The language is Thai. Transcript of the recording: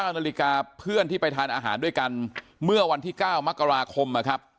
๙นาฬิกาเพื่อนที่ไปทานอาหารด้วยกันเมื่อวันที่๙มกราคมนะครับ